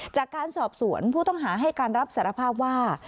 จากการสอบสวนผู้ต้องหาให้การรับสารภาพว่า